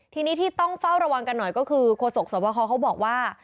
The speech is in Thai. ทีนี้ที่ต้องเฝ้าระวังกันหน่อยก็คือโฆษกสวบคอเขาบอกว่า